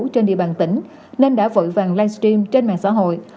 trên địa bàn tỉnh nên đã vội vàng livestream trên mạng xã hội